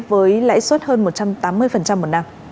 với lãi suất hơn một trăm tám mươi một năm